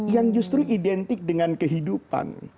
yang justru identik dengan kehidupan